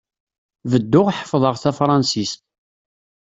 Bedduɣ ḥefḍeɣ tafṛansist.